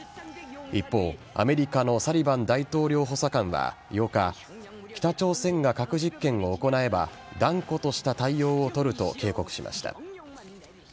一方、アメリカのサリバン大統領補佐官は８日北朝鮮が核実験を行えば断固とした対応を取ると警告しました。